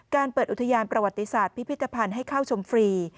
เปิดอุทยานประวัติศาสตร์พิพิธภัณฑ์ให้เข้าชมฟรี